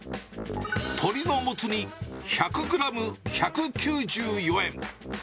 鶏のモツ煮１００グラム１９４円。